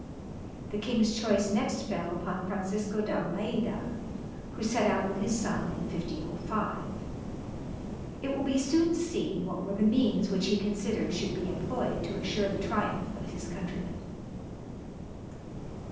The king's choice next fell upon Francisco d'Almeida, who set out with his son in 1505. It will be soon seen what were the means which he considered should be employed to assure the triumph of his countrymen.